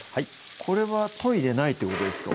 これはといでないってことですか？